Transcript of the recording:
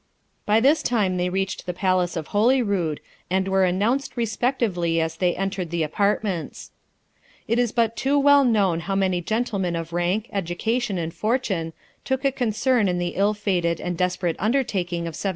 By this time they reached the palace of Holyrood, and were announced respectively as they entered the apartments. It is but too well known how many gentlemen of rank, education, and fortune took a concern in the ill fated and desperate undertaking of 1745.